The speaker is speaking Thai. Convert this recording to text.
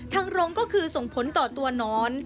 รมก็คือส่งผลต่อตัวนอน